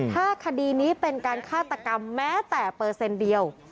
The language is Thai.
ถ้าคดีนี้เป็นการฆาตกรรมแม้แต่เปอร์เซ็นต์เดียว